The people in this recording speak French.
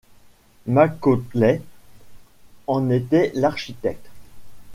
MacAulay en était l'architecte.